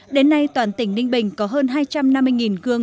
đến nay toàn tỉnh ninh bình có hơn hai trăm năm mươi cương